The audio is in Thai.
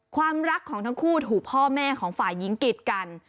ความรักของทั้งคู่ถูกพ่อแม่ของฝ่ายหญิงกีดกัน